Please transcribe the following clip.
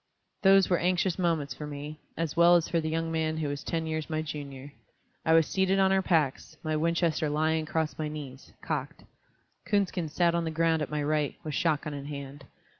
Those were anxious moments for me, as well as for the young man who was ten years my junior. I was seated on our packs, my Winchester lying across my knees, cocked; Coonskin sat on the ground at my right, with shot gun in hand.